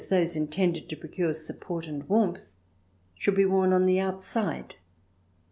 those intended to procure sup port and warmth — should be worn on the outside.